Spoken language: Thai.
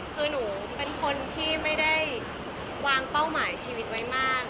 คือหนูเป็นคนที่ไม่ได้วางเป้าหมายชีวิตไว้มาก